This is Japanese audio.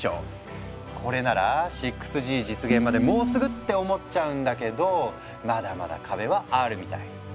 これなら６Ｇ実現までもうすぐって思っちゃうんだけどまだまだ壁はあるみたい。